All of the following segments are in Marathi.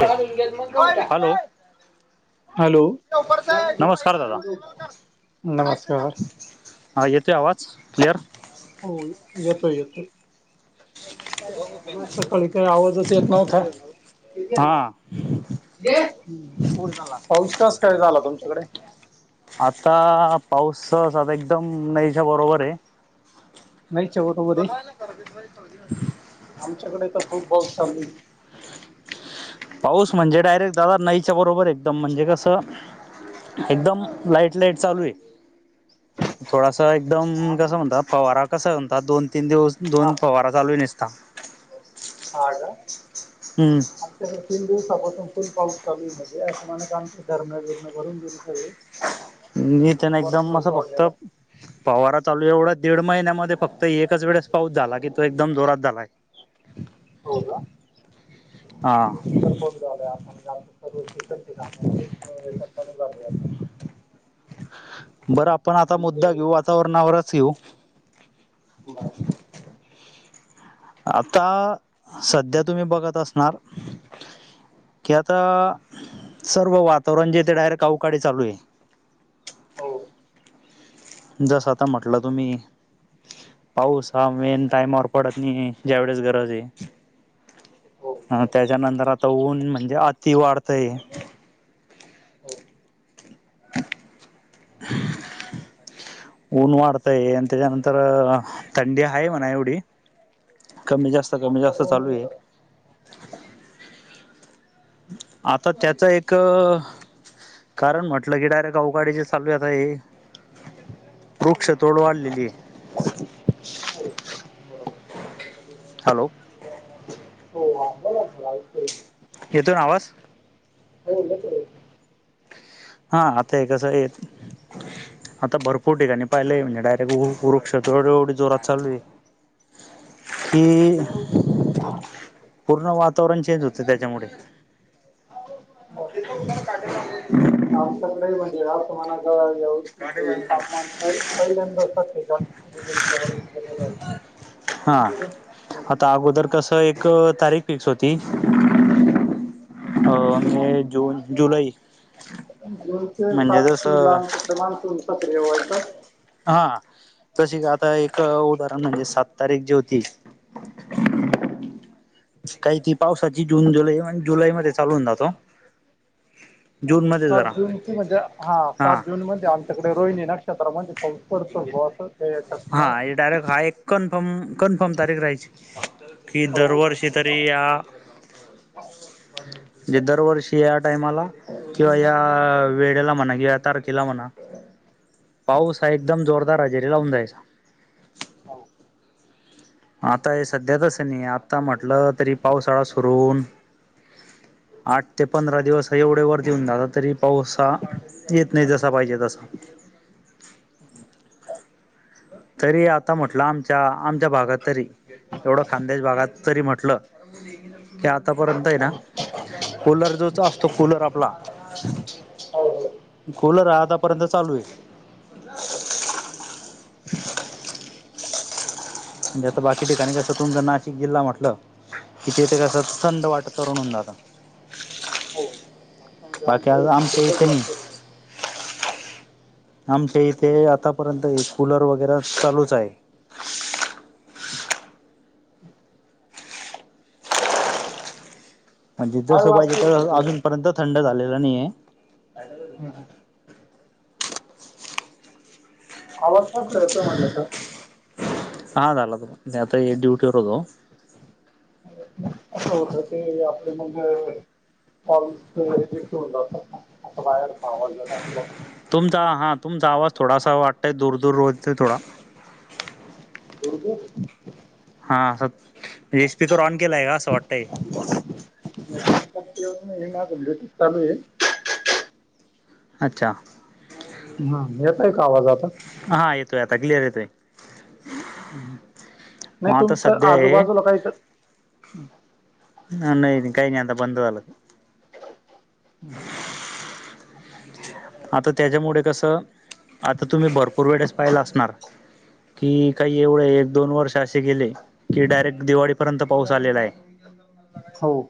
काढून घेत मग गवटा हॅलो. हॅलो जाणून घे नमस्कांर दादा. मग गवटा नमस्कार हां येतोय आवांज क्लिअर? हो येतोय येतोय. सकाळी काही आवाजच येत नव्हता [inaudible] [unintelligible] हां. टंच झालां तुमच्यांकडे? आंता पाऊस आंता एकदंम नाहींच्यां बरोबर आहे. नाहींच्या बरोबर आहे आमच्याकडे तरं खूंप पाऊस चालूं आहे पाऊस म्हणजे डायरेक्ट दादा नाईच्या बरोबर आहे. एकदंम म्हणजे कसं एकदंम लाईट लाईट चालूं आहे थोडांसा हा एकदंम कसं म्हणतं पवांरा कसां म्हणतांत दोन तीनं दिवसं हा दोन पवांरा चालूं नीसतां हां नं हम्मं आमच्यांकडे तीनं दिवसांपासून फुलं पाऊस चालूं आहे म्हणजे असं मणं आमचं धर्ण विहीरी भरूंन गेली सगळीं मी त्यांना एकदंम असं सोडलेला फक्तं आहे. पवारां चालूं आहे एवढां दीड महिन्यांत मध्ये फक्तं एकचं वेळेस पाऊस झालां की तो एकदंम जोरांत झालायं की हो का हां. ब आपणंल सर्विक कामं. बरं आपणं आंता आणि मुद्दा शेती घेऊ वातांवरणांवरचं येऊ. बरं. आंता संध्या तुम्हीं बघतं असणारं [unintelligible] की आंता सर्व वातांवरण जे ते डायरेक्ट अवकाडे चालूं आहे हो जसं आंता म्हटलं तुम्हीं पाऊस हां मेनं टाईमांवर पडतं नाहीं ज्यां वेळेस गरजं आहे हो हं बरोबर त्यांच्यानंतर आंता ऊंन म्हणजे अति वाढतंय हो [unintelligible] ऊंन वाढतंय आणि त्यांच्यानंतर थंडी आहे म्हणां एवढी कमी जास्तं कमी आता जास्तं दोन चालूं आहे दिवसात आंता त्यांचं एक कारणं म्हटलं की डायरेक्ट अवघडीचे चालूं आहेेतं हे वृक्ष तोड वाढलेली आहे [inaudible] हॅलो! हो आला झा [unintelligible] येतो ना आवाज? हो येतो की. हा आताय कसं येतंय. आता भरपूर ठिकाणी पाहिलंय म्हणजे डायरेक्ट वृक्षात एवढी जोरात चालू आहे. ह [inaudible] कि पूर्ण वातावरण चेंज होत त्यांच्यामुळे, जस उला काढायला [inaudible] आमच्याकडेही म्हणजे आमाना व्यवस्थित सापमान का [inaudible] पहिल्याेळीग वती केेले [inaudible] हा आता अगोदर कस एक तारीख फिक्स होती. अ मे जून जुलै. जूनचे म्हणजे सात जून जसं लागनंतर प्रमाणून सक्रिय व्हायला. हा तशी आता एक उदाहरण म्हणजे सात तारीख जी होती. काही ती पावसाची जून जुलै जुलैमध्येच. चालू होनार. सात जूनची म्हणजे हा सात जून म्हणजे आमच्याकडे रोहिणी नक्षत्र म्हणजे, सत भास या चकण्या [inaudible] हा डायरेक्ट हा एक कन्फर्म, कन्फर्म तारीख राहायची की हो दरवर्षी तरी या- म्हणजे दरवर्षी या टाइमाला, किंवा या वेळेला म्हणा किंवा या तारखेला म्हणा पाऊस, हा एकदम जोरदार हजेरी लावून जायचा. ह आता हे सध्या तच नाही आता म्हटलं तरी पावसाळा सुरून होऊन. आठ ते पंधरा दिवस एवढे वरतीऊन दादा तरी पाऊसहा, येत नाही जसा पाहिजे तसा. तरी आता म्हटलं आमच्या आमच्या भागात तरी, एवढं खानदेश भागात तरी म्हटलं की आतापर्यंत आहे ना. कूलर जोच असतो कूलर आपला. होव कुलर आतापर्यंत चालू. ब [inaudible] म्हणजे आता बाकी ठिकाणी कसं तुमच नाशिक जिल्हा म्हटलं, किथेथ कस थंड वाट तरुण जात हो म्हणजे [inaudible] बाकी आमच्याकडे आता आमच्यां थंडीचच इथं नाई. वातावरण आमच्या इथे आतापर्यंत कुलर वगैरे चालूच आहे. म्हणजे काय जसं पाहिजे वाजतय तस सर्दीला अजूनपर्यंत थंड झालेला नाहीे. हां हां आवाजच का असला येतोय म्हटला सर, हा दादा बोला ते आता मी ड्युटीवर होतो. [unintelligible] आपलं मग [inaudible] तुमचा हा तुमचा आवाज थोडासा वाटतोय दूर दूर रोजते थोडा. दुरदुर हा असं म्हे स्पीकर ऑन केलाय का असं वाटतंय. [unintelligible] ना चालू आहे, अच्छा, हा म येतोय का आवाज आता? हा येतोय आता क्लिअर येतोय. नाही मग आता तुमचं सध्या आहे आजूबाजूला काही तर ना नई, नई काय नही अता बंद झालं ते. हम्, आता त्याच्यामुडे कसं आता तुम्ही भरपूर वेडेस पाहिला असणार. कि काही एवय एक- दोन वर्ष अशे गेले कि डायरेक्ट दिवाळीपर्यंत पाऊस आलेला आहे. हो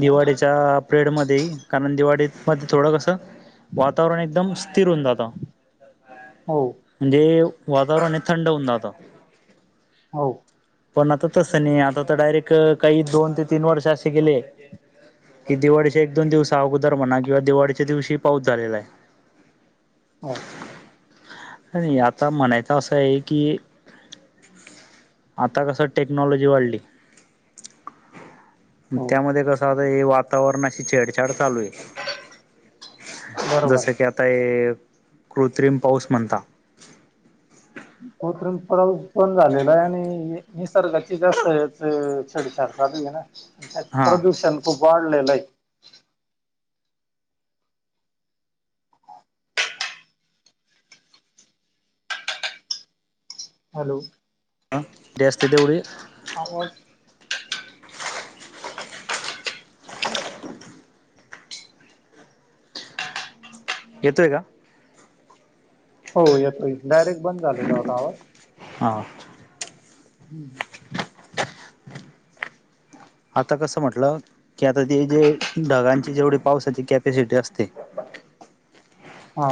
दिवाळीच्या प्रेड मध्ये कारण दिवाडीत मध्ये थोडं कसं वातावरण एकदम स्थिर होऊन जातं. हो, म्हणजे वातावरण हे थंड होऊन जातं. हो, पण आता तसं नाही, आता तर डायरेक्ट काही दोन ते तीन वर्ष अशे गेले कि दिवाळीच्या एक- दोन दिवसा अगोदर म्हणा किंवा दिवाळीच्या दिवशी पाऊस झालेला आहे. हो आणि आता म्हणायचा असं आहे की आता कसं टेक्नॉलॉजी वाढली, हो त्यामध्ये कसं आता हे वातावरणाशी छेडछाड चालू आहे. बरोबर जसे आहे की आता हे कृत्रिम पाऊस म्हणता कृत्रिम पाऊस पण झालेला आहे, आणि निसर्गाची जास्तच छेडछाड चालू हे ना. त्यात हां प्रदूषण खूप वाढलेलं ये. हॅलो! हं जास्ती तेऊडी आहोत, येतोय का? हो येतोय, डायरेक्ट बंद झालेला होता आवाज. हा, हम् ह, आता कसं म्हटलं की आता जे -जे ढगांची जेवढी पावसाची कॅपॅसिटी असते, हा,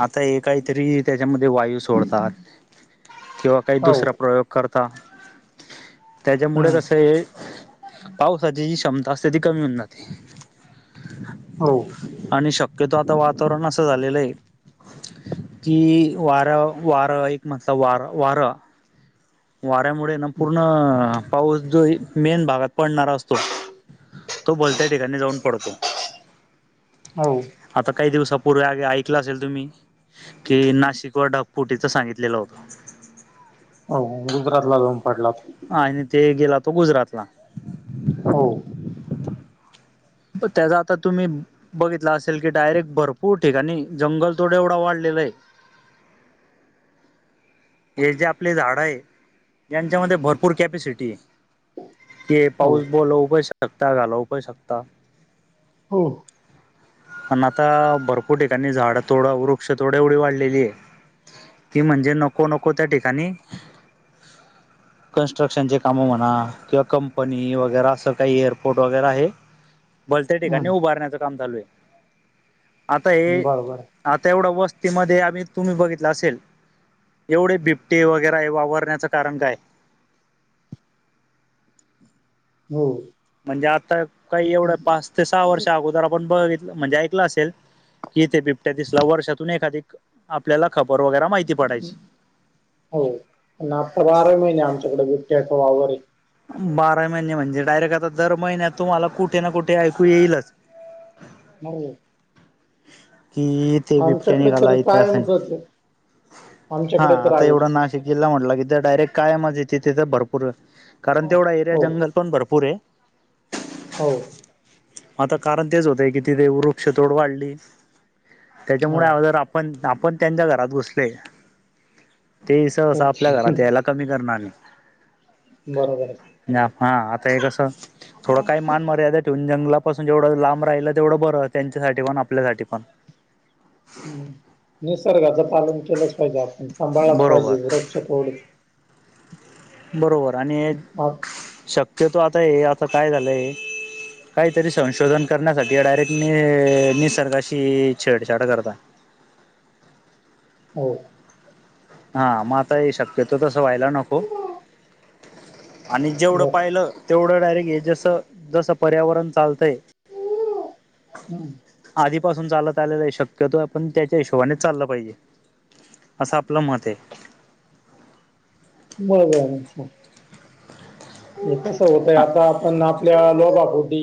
आता हे काहीतरी त्याच्यामध्ये वायू सोडतात, किंवा काही हो दुसरा प्रयोग करता त्याच्यामुळे हम्म कसं ये पावसाची जी क्षमता असते, ती कमी होवुन जाते. हो, आणि शक्यतो आता वातावरण असं झालेलं आहे कि वारं- वारं एक म्हणता वार, वारा वाऱ्यामुळे ना पूर्ण पाऊस जो हे मेन भागात पडणारा असतो, तो भलत्या ठिकाणी जाऊन पडतो. हो आता काही दिवसापूर्वी आधी ऐकलं असेल तुम्ही. कि नाशिक वर ढगफुटीचं सांगितलेलं होत. अ गुजरातला जाऊन पडला तो आणि ते गेला तो गुजरातला. हो. पण ते ज आता तुम्ही बघितला असेल की डायरेक्ट भरपूर ठिकाणी जंगल तोडं एवढा वाढलेला हाय हे जे आपले झाड आहे यांनच्यामध्ये भरपूर कॅपेसिटी आहे. ते हो पाऊस बोलवू पण शकता घालवू पण शकता. हो. अन आता भरपूर ठिकाणी झाडं तोडा, वृक्ष तोड एवढी वाढलेली आहे. ती म्हणजे नको नको त्या ठिकाणी कन्स्ट्रक्शनचे कामं म्हणा, किंवा कंपनी वगैरे असं काही एअरपोर्ट वगैरा आहे? भलत्याच ठिकाणी हम्म उभारण्याच काम चालू आहे आता हे बरोबर आता एवढ्या वस्तीमध्ये आम्ही तुम्ही बघितल असेल. एवढे बिबटे वगैरा हे वावरण्याचं कारण काय? हो. म्हणजे आता काही एवढं पाच ते सहा वर्ष अगोदर आपण बघितलं म्हणजे ऐकल ऐकल असेल, कि इथे बिबट्या दिसला, वर्षातून एखादी आपल्याला खबर वगैरा माहिती पडायची. हो अन आता बाराही महिने आमच्याकडे बिबट्या चा वावर आहे. बारा ही महिने म्हणजे डायरेक्ट आता दर महिन्यात तुम्हाला कुठे ना कुठे ऐकू येईलच. हो. कि इथे बिबट्या आमच्याकडे निघाला तर इथं कायमचच आहे हा आमच्याकडे तर आता एवढा आहेच नाशिक जिल्हा म्हटल कि डायरेक्ट कळ्या मातीच्या तिथं भरपूरच कारण तेवढा एरिया हो जंगल पण भरपूर आहे. हो. आता कारण तेच होतय कि तिथे वृक्ष तोड वाढली. हा त्याच्यामुळे अगोदर आपण, आपण त्यांच्या घरात घुसलोय. ते ही तर सहसा आपल्या ते घरात याला कमी करणार नाही. बरोबर आहे आणि हा आता हे कस थोडं काही मान मर्याद ठेवून जंगलापासून जेवढं लांब राहिलं तेवढं बरं त्यांच्यासाठी पण आपल्यासाठी पण. हम.. निसर्गाचं पालन केलंच पाहिजे., आपण सांभाळच बरोबर पाहिजे वृक्ष तोड बरोबर आणि हा शक्यतो आता हे आता काय झालंय काहीतरी संशोधन करण्यासाठी डायरेक्ट नि निसर्गाशी छेडछाड करता. हो हा -हा मग आता हे शक्यतो तसं व्हायला नको आणि जेवढं बर पाहिलं तेवढं डायरेक्ट हे जसं जसं पर्यावरण चालतंय. हम. आधीपासून चालत आलेल आहे शक्यतो पण त्याच्या हिशोबानेच चाललं पाहिजे. असं आपलं मत आहे बर-बर आच्छा आणि कसं हाय? होतय आता आपण आपल्या लोबापोटी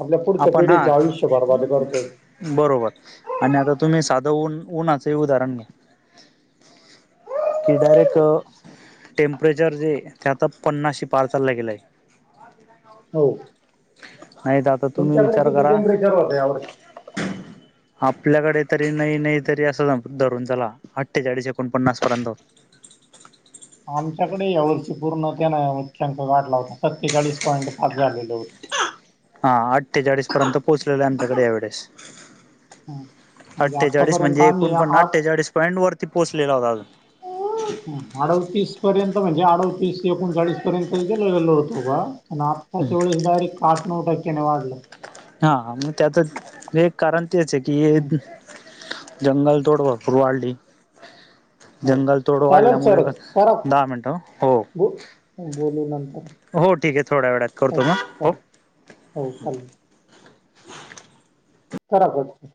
आपल्या पुढच्या आपण हा पिढीचे आयुष्य बरबाद करतोय. बरोबर आणि आता तुम्ही साधं ऊन उन्हाचं हे उदाहरण घ्या. कि डायरेक्ट टेम्परेचर जे ते आता पन्नासे पार चाललं गेलं आहे. हो नाही तर आता तुम्ही विचार करा. जरतवर. आपल्याकडे तरी नाही नाही तरी असं धरून चला अठ्ठेचाळीस एकोणपन्नास पर्यंत. आमच्याकडे या वर्षी पूर्ण त्या ना मुख्यांक गढला होता सत्तेचाळीस पॉईंट पाच झालेले होते. हा आठ्ठेचाळीस पर्यंत पोहोचलेले आमच्याकडे यावेेळेस हम्म. म्हणजे अठ्ठेचाळीस आतापर्यंत म्हणजे आम्ही एकोणपन्न आठ अठ्ठेचाळीस पॉइईंट वरती पोहचलेला होता. आडोतीस पर्यंत म्हणजे अडोतीस एकोणचाळीस.. र्यंत गेल गो होतो का प आत्ताच्या वेळेस डायरेक्ट आठ नऊ टक्क्याने वाढलं. हा मग त्याच एक कारण तेच आहे हम्म, की. जंगल तोड भरपूर वाढली. हो जंगल थोडं चालेल वाढल्यामुळे सर करा दहा मिनट हो. बो बोलू नंतर हो ठीक आहे थोड्या वेळात करतो मग. ल हो हो चालेल. खराबडत [unintelligible]